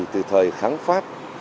từ thời kháng phát